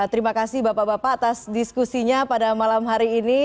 terima kasih bapak bapak atas diskusinya pada malam hari ini